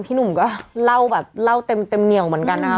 พี่หนุ่มก็เล่าแบบเล่าเต็มเหมือนกันนะคะ